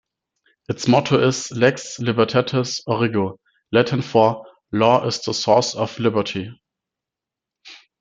Its motto is "Lex Libertatis Origo", Latin for "Law is the Source of Liberty".